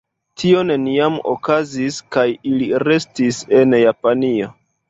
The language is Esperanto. Tio neniam okazis, kaj ili restis en Japanio.